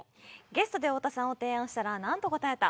ゲストで太田さんを提案したらなんと答えた？